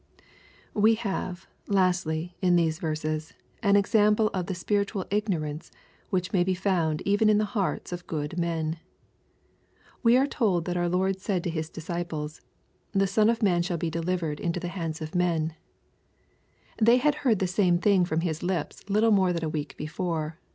We have, lastly, in these verses, an example of the spirituai ignorance which may he found even in the hearts of good men. We are told that our Lord said to His disciples^ " The Son of man shall be delivered into the ^ 324 EXPOSITORY THOUGHTS. hands of men." They had heard the sarae thing from His lips little more than a week before.